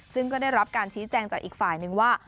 ซึ่งก็ได้รับการชี้แจงจากอีกฝ่ายนึงว่า